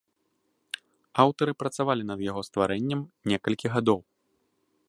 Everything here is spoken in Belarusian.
Аўтары працавалі над яго стварэннем некалькі гадоў.